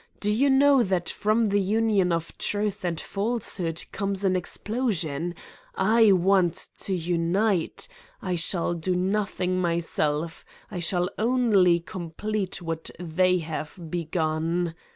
Do you know that from the union of truth and falsehood comes an explosion ! I want to unite. I shall do nothing myself: I shall only complete what they have be gun.